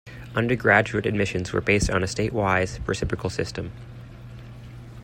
Undergraduate admissions were based on a state wise reciprocal system.